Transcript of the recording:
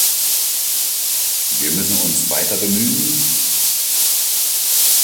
Wir müssen uns weiter bemühen.